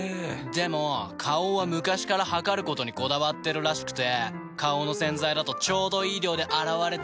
でも花王は昔から量ることにこだわってるらしくて花王の洗剤だとちょうどいい量で洗われてるなって。